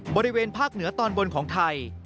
บริเวณภาคเหนือตอนบนของไทย